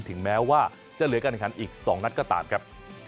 ถึงแม้ว่าจะเหลือการแข่งขันอีก๒นัดก็ตามครับ